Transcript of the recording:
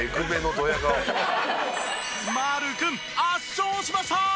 真琉君圧勝しましたー！